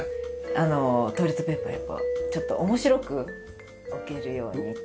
あのトイレットペーパーやっぱちょっと面白く置けるようにって。